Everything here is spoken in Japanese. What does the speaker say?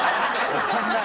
終わらない。